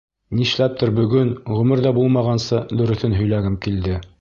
Нишләптер бөгөн, ғүмерҙә булмағанса, дөрөҫөн һөйләгем килде.